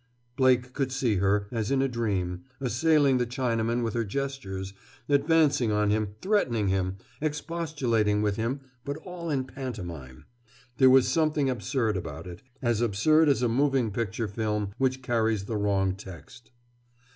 Blake could see her, as in a dream, assailing the Chinaman with her gestures, advancing on him, threatening him, expostulating with him, but all in pantomime. There was something absurd about it, as absurd as a moving picture film which carries the wrong text.